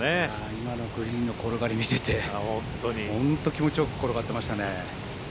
今のグリーンの転がりを見てて本当気持ちよく転がってましたね。